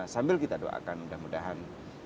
sambil kita doakan mudah mudahan